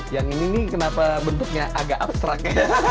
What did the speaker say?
yang ini nih kenapa bentuknya agak abstrak